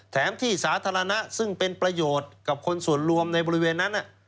ที่สาธารณะซึ่งเป็นประโยชน์กับคนส่วนรวมในบริเวณนั้น